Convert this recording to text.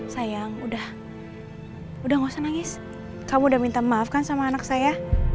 sayang udah udah nggak usah nangis kamu udah minta maafkan sama anak saya